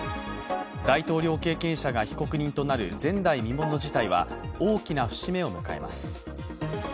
大統領経験者が被告人となる前代未聞の事態は大きな節目を迎えます。